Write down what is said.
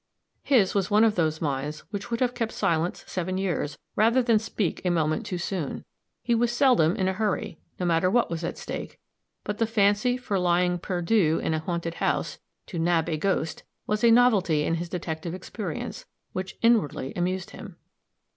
His was one of those minds which would have kept silence seven years, rather than speak a moment too soon; he was seldom in a hurry, no matter what was at stake; but the fancy for lying perdu in a haunted house, to "nab" a ghost, was a novelty in his detective experience, which inwardly amused him.